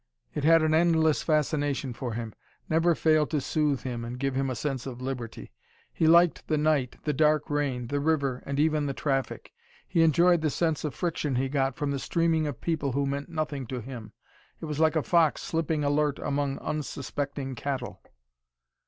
It had an endless fascination for him: never failed to soothe him and give him a sense of liberty. He liked the night, the dark rain, the river, and even the traffic. He enjoyed the sense of friction he got from the streaming of people who meant nothing to him. It was like a fox slipping alert among unsuspecting cattle.